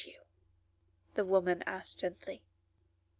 the woman asked, gently.